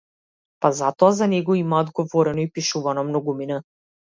Па затоа за него имаат говорено и пишувано многумина.